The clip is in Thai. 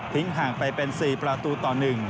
ห่างไปเป็น๔ประตูต่อ๑